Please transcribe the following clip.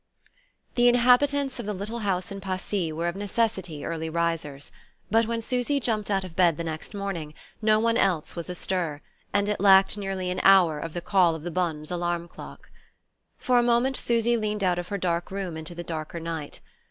THE inhabitants of the little house in Passy were of necessity early risers; but when Susy jumped out of bed the next morning no one else was astir, and it lacked nearly an hour of the call of the bonne's alarm clock. For a moment Susy leaned out of her dark room into the darker night.